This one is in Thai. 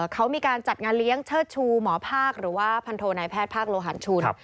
เขามีการจัดงานเลี้ยงเชิดชูหมอภาคหรือว่าพันโทนายแพทย์ภาคโลหันชุน